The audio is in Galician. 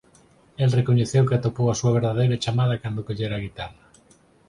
El recoñeceu que atopou a súa verdadeira chamada cando collera a guitarra.